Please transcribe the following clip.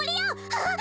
あっ！